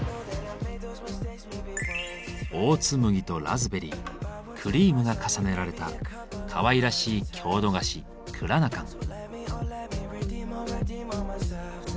オーツ麦とラズベリークリームが重ねられたかわいらしい郷土菓子「クラナカン」。